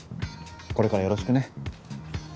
これからよろしくね。